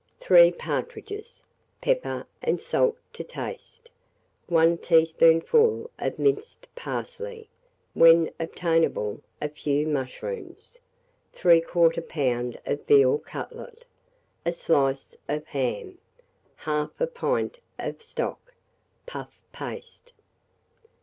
3 partridges, pepper and salt to taste, 1 teaspoonful of minced parsley (when obtainable, a few mushrooms), 3/4 lb. of veal cutlet, a slice of ham, 1/2 pint of stock, puff paste.